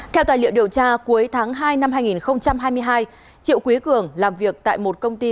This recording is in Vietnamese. theo tài liệu điều tra cuối tháng hai năm hai nghìn hai mươi hai triệu quý cường làm việc tại một công ty